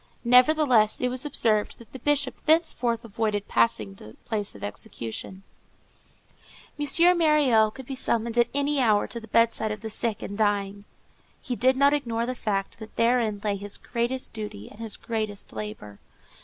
Nevertheless, it was observed that the Bishop thenceforth avoided passing the place of execution. M. Myriel could be summoned at any hour to the bedside of the sick and dying. He did not ignore the fact that therein lay his greatest duty and his greatest labor.